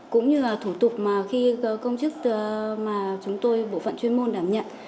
cũng như là thủ tục mà công chức chúng tôi bộ phận chuyên môn đảm nhận